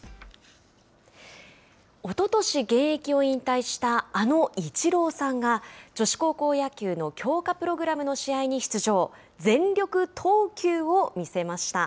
おととし現役を引退したあのイチローさんが女子高校野球の強化プログラムの試合に出場。